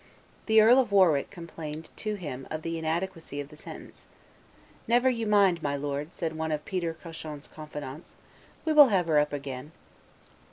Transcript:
The Earl of Warwick complained to him of the inadequacy of the sentence. "Never you mind, my lord," said one of Peter Cauchon's confidants; "we will have her up again."